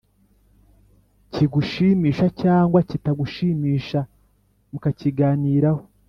kigushimisha cyangwa kitagushimisha, mukakiganiraho,